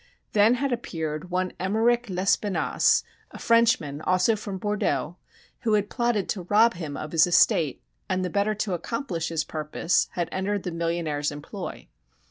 Then had appeared one Emmeric Lespinasse, a Frenchman, also from Bordeaux, who had plotted to rob him of his estate, and the better to accomplish his purpose had entered the millionaire's employ.